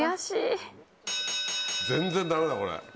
全然ダメだこれ。